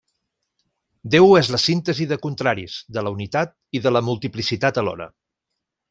Déu és la síntesi de contraris, de la unitat i de la multiplicitat alhora.